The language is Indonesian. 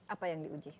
apa yang diuji